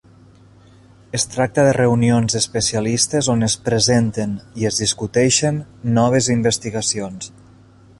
Es tracta de reunions d'especialistes on es presenten i es discuteixen noves investigacions.